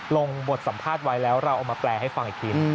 ลงบทสัมภาษณ์ไว้แล้วเราเอามาแปลให้ฟังอีกที